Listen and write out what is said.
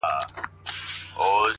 دا صفت مي په صفاتو کي د باز دی,